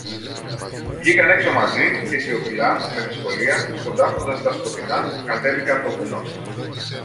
Βγήκαν έξω μαζί, και σιωπηλά, με δυσκολία, σκοντάφτοντας στα σκοτεινά, κατέβηκαν το βουνό.